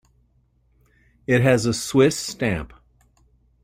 It has a Swiss stamp.